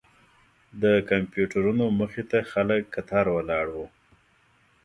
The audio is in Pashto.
د کمپیوټرونو مخې ته خلک کتار ولاړ وو.